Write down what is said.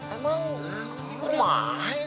emang ini rumahnya teh